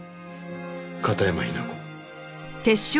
片山雛子。